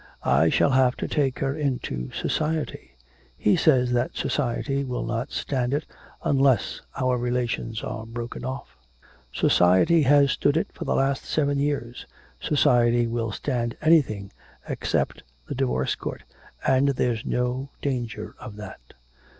I shall have to take her into society. He says that society will not stand it, unless our relations are broken off.' 'Society has stood it for the last seven years; society will stand anything except the Divorce Court, and there's no danger of that.'